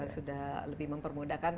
sudah lebih mempermudahkan